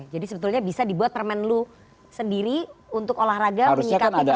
jadi sebetulnya bisa dibuat permen lu sendiri untuk olahraga menyikapi persoalan persoalan seperti ini